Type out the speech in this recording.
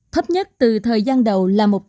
thấp nhất từ thời gian đầu